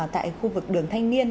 tại khu vực đường thanh niên